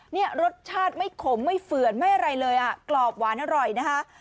เนี่ยรสชาติไม่ขมไม่เฝือนไม่อะไรเลยอ่ะกรอบหวานอร่อยนะคะ